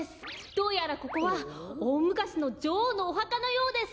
どうやらここはおおむかしのじょおうのおはかのようです。